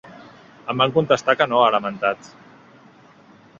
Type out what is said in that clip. Em van contestar que no, ha lamentat.